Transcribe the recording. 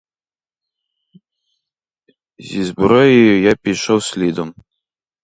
Зі зброєю я пішов слідом.